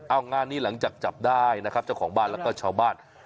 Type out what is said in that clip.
เอางานนี้หลังจากจับได้นะครับเจ้าของบ้านแล้วก็ชาวบ้าน